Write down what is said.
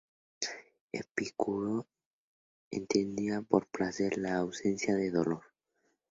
Epicuro entendía por placer la ausencia de dolor.